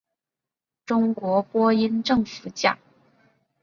中国播音政府奖。